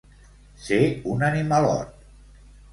Ser un animalot.